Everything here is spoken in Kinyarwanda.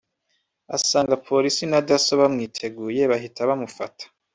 asanga Polisi na Dasso bamwiteguye bahita bamufata